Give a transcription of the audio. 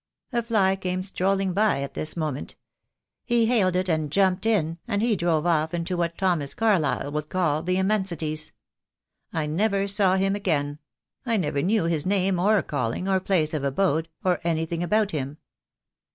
A fly came strolling by at this moment. He hailed it and jumped in, and he drove off into what Thomas Carlyle would call the Im mensities. I never saw him again; I never knew his name, or calling, or place of abode, or anything about him.